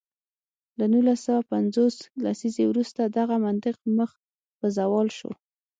له نولس سوه پنځوس لسیزې وروسته دغه منطق مخ په زوال شو.